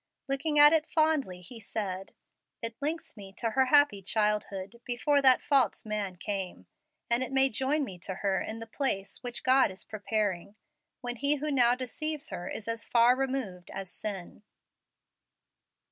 Looking at it fondly, he said, "It links me to her happy childhood before that false man came, and it may join me to her in the 'place' which God is preparing, when he who now deceives her is as far removed as sin."